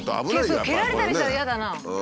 そう蹴られたりしたら嫌だなあ。